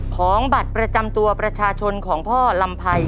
ของบัตรประจำตัวประชาชนของพ่อลำไพร